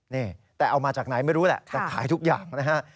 นี่แต่เอามาจากไหนไม่รู้แหละแต่ขายทุกอย่างนะฮะ